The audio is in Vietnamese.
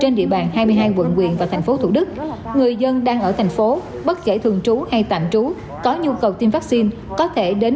người dân đang ở thành phố bất kể thường trú hay tạm trú có nhu cầu tiêm vaccine có thể đến